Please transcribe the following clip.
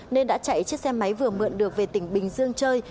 nên đã chạy chiếc xe máy vừa mượn được về tỉnh bình dương chơi